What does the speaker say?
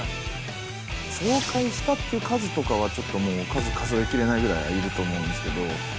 紹介したっていう数とかはちょっともう数数え切れないぐらいいると思うんですけど。